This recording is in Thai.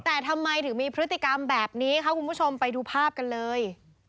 แต่ทำไมถึงมีพฤติกรรมแบบนี้ค่ะคุณผู้ชมไปดูภาพกันเลย